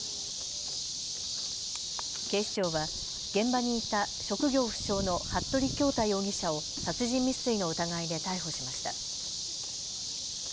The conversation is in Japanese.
警視庁は現場にいた職業不詳の服部恭太容疑者を殺人未遂の疑いで逮捕しました。